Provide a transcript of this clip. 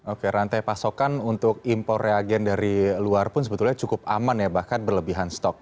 oke rantai pasokan untuk impor reagen dari luar pun sebetulnya cukup aman ya bahkan berlebihan stok